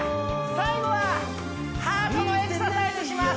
最後はハートのエクササイズします